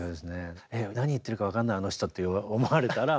「何言ってるか分かんないあの人」って思われたらもうダメ。